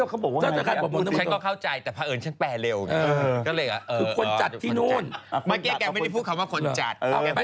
อ๋อคนจัดใช่ไหมอ๋อคนจัด